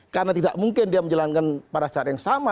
karena tidak mungkin dia menjalankan pada saat yang sama